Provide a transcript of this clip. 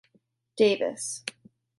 Davis.